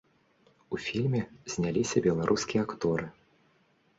У фільме зняліся беларускія акторы.